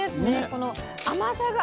この甘さが。